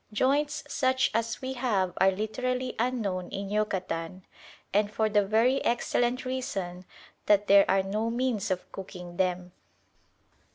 Joints such as we have are literally unknown in Yucatan, and for the very excellent reason that there are no means of cooking them.